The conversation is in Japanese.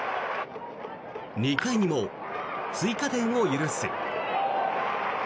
２回にも追加点を許す。